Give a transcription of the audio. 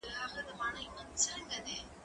زه مخکې درس لوستی و!؟